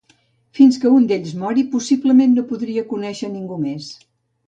Fins que un d'ells mori, possiblement no podria conèixer ningú més.